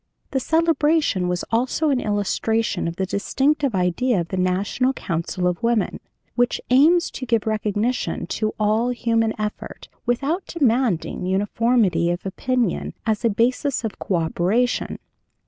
"The celebration was also an illustration of the distinctive idea of the National Council of Women, which aims to give recognition to all human effort without demanding uniformity of opinion as a basis of co operation.